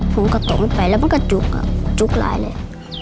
ผมก็ตกไม่ไปแล้วมันก็จุกอ่ะจุกร้ายเลย